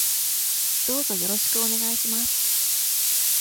どうぞよろしくお願いします。